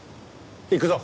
行くぞ。